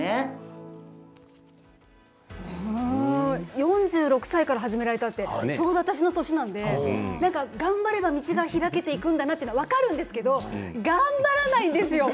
４６歳から始められたってちょうど私の年齢なので頑張れば道が開けていくのだということは分かるんですけれど頑張れないですよ。